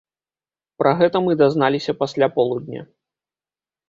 Пра гэта мы дазналіся пасля полудня.